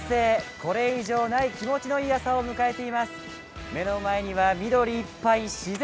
これ以上ない気持ちのいい朝を迎えています。